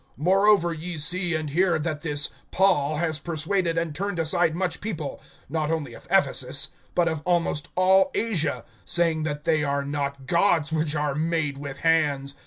(26)Moreover ye see and hear, that this Paul has persuaded and turned aside much people, not only of Ephesus, but of almost all Asia, saying that they are not gods, which are made with hands.